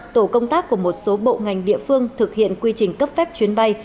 tổ công tác của một số bộ ngành địa phương thực hiện quy trình cấp phép chuyến bay